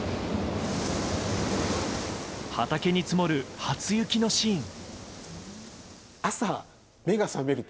畑に積もる初雪のシーン。